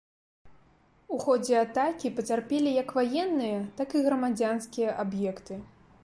У ходзе атакі пацярпелі як ваенныя, так і грамадзянскія аб'екты.